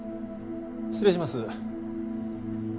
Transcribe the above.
失礼します。